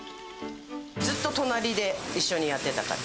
ずっと隣で一緒にやってたから。